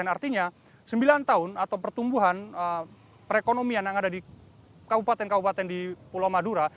artinya sembilan tahun atau pertumbuhan perekonomian yang ada di kabupaten kabupaten di pulau madura